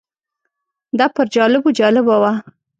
دا پر جالبو جالبه وه.